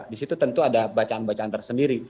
disitu tentu ada bacaan bacaan tersendiri